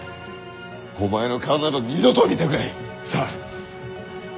お前の顔など二度と見たくない。さあ。